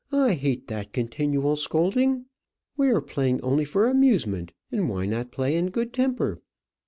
"I hate that continual scolding. We are playing only for amusement; and why not play in good temper?"